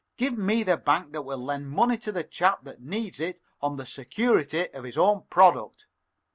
Give me the bank that will lend money to the chap that needs it on the security of his own product.